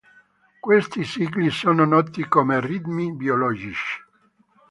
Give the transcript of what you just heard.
Questi cicli sono noti come ritmi biologici.